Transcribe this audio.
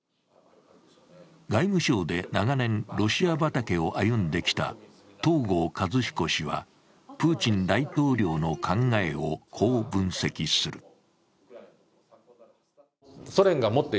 外務省で長年ロシア畑を歩んできた東郷和彦氏はプーチン大統領の考えをこう分析する。